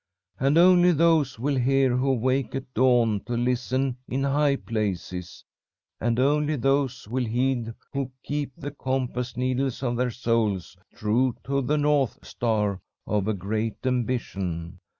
And only those will hear who wake at dawn to listen in high places. And only those will heed who keep the compass needles of their souls true to the north star of a great ambition.